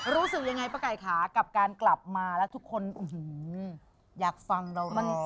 รู้สึกยังไงป้าไก่ค่ะกับการกลับมาแล้วทุกคนอยากฟังเราบ้าง